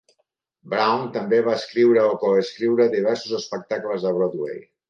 Brown també va escriure o coescriure diversos espectables de Broadway.